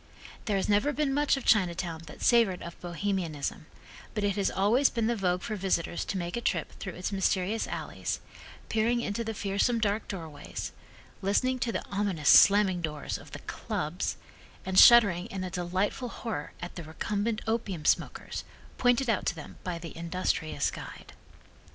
There has never been much of Chinatown that savored of Bohemianism, but it has always been the vogue for visitors to make a trip through its mysterious alleys, peering into the fearsome dark doorways, listening to the ominous slamming doors of the "clubs," and shuddering in a delightful horror at the recumbent opium smokers, pointed out to them by the industrious guide.